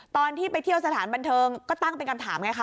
ตอนที่ไปเที่ยวสถานบันเทิงก็ตั้งเป็นคำถามไงคะ